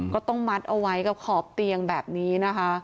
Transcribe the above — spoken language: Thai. ก็ต้องมัดเอาไว้กับขอบเตียงแบบนี้นะคะ